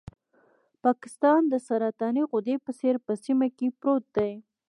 پاکستان د سرطاني غدې په څېر په سیمه کې پروت دی.